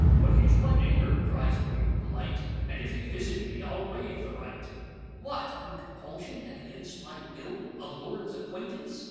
'But he 's my neighbour,' cries the Peer polite:'And if he visit me, I 'll waive the right.'What! on compulsion, and against my will,A lord's acquaintance?